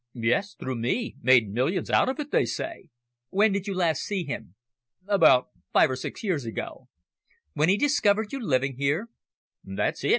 "Yes, through me made millions out of it, they say." "When did you last see him?" "About five or six years ago." "When he discovered you living here?" "That's it.